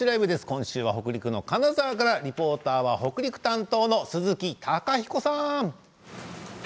今週は北陸の金沢からリポーターは北陸担当の鈴木貴彦さん。